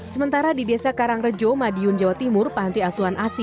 sementara di desa karangrejo madiun jawa timur panti asuhan asi